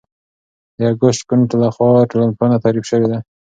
د اګوست کُنت لخوا ټولنپوهنه تعریف شوې ده.